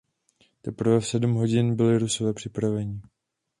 Teprve v sedm hodin byli Rusové připraveni.